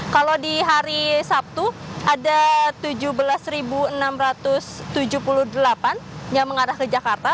kalau di hari sabtu ada tujuh belas enam ratus tujuh puluh delapan yang mengarah ke jakarta